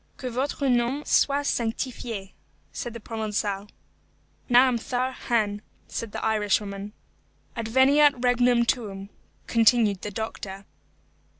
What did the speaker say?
"Que votre nom soit sanctifié," said the Provençal. "Naomhthar hainm," said the Irishwoman. "Adveniat regnum tuum," continued the doctor.